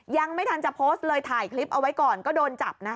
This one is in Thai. ยังไม่ทันจะโพสต์เลยถ่ายคลิปเอาไว้ก่อนก็โดนจับนะคะ